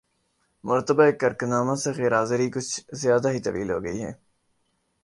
مرتبہ کرک نامہ سے غیر حاضری کچھ زیادہ ہی طویل ہوگئی ہے